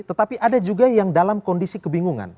tetapi ada juga yang dalam kondisi kebingungan